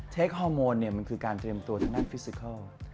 เทคฮอร์โมนมันคือการเตรียมตัวทั้งหน้าฟิสิคัล